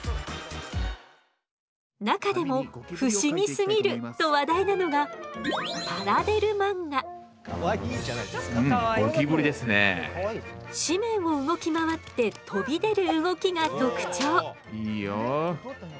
中でも「不思議すぎる！」と話題なのが紙面を動き回って飛び出る動きが特徴。